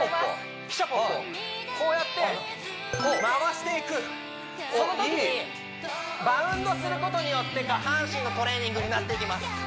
こうやって回していくそのときにバウンドすることによって下半身のトレーニングになっていきます